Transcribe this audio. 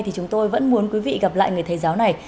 thì chúng tôi vẫn muốn quý vị gặp lại người thầy giáo này